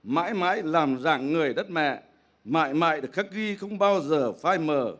mãi mãi làm dạng người đất mẹ mãi mãi được khắc ghi không bao giờ phai mờ